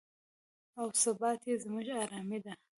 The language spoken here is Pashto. او ثبات یې زموږ ارامي ده.